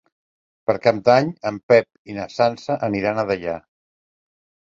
Per Cap d'Any en Pep i na Sança aniran a Deià.